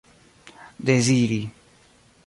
deziri